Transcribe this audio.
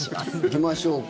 行きましょうか。